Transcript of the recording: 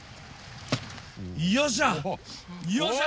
よっしゃ！